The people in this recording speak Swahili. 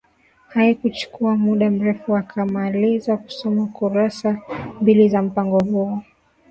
Haikuchukua muda mrefu akaa ammaliza kusoma kursa mbili za mpango huo